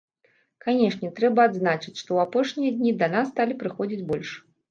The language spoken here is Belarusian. Канешне, трэба адзначыць, што ў апошнія дні да нас сталі прыходзіць больш.